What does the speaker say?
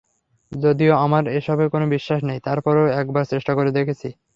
যদিও আমার এসবে কোনো বিশ্বাস নেই, তারপরেও একবার চেষ্টা করে দেখছি।